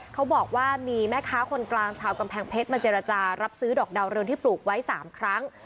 เขาบอกว่ามีแม่ค้าคนกลางชาวกำแพงเพชรมาเจรจารับซื้อดอกดาวเรืองที่ปลูกไว้๓ครั้ง